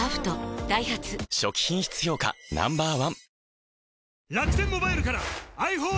ダイハツ初期品質評価Ｎｏ．１